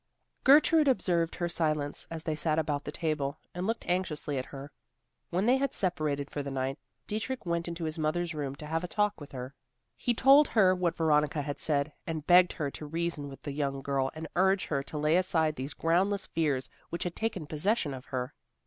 Gertrude observed her silence, as they sat about the table, and looked anxiously at her. When they had separated for the night, Dietrich went into his mother's room to have a talk with her. He told her what Veronica had said, and begged her to reason with the young girl and urge her to lay aside these groundless fears which had taken possession of her.